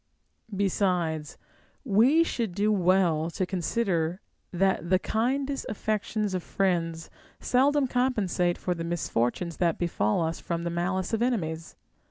Besides, we should do well to consider that the kindest aifections of friends seldom compensate for the misfortunes that befall us from the malice of enemies.